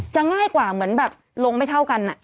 ง่ายกว่าเหมือนแบบลงไม่เท่ากัน